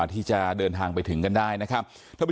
ที่จะเดินทางไปถึงกันได้นะครับ